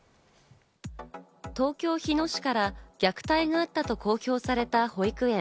東京・日野市から虐待があったと公表された保育園。